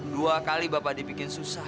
dua kali bapak dibikin susah